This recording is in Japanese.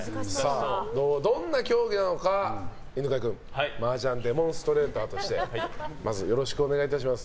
どんな競技なのか、犬飼君マージャンデモンストレーターとして、お願いします。